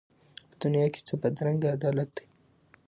په دنیا کي څه بدرنګه عدالت دی